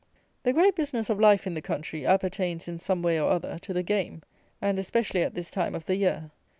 The great business of life, in the country, appertains, in some way or other, to the game, and especially at this time of the year.